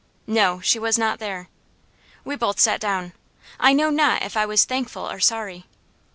No she was not there. We both sat down. I know not if I was thankful or sorry.